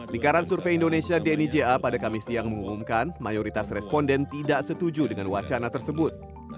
lingkaran survei indonesia dni ja pada kami siang mengumumkan mayoritas responden tidak setuju dengan wacana tersebut